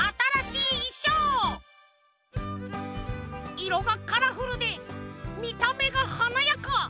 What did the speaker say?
いろがカラフルでみためがはなやか！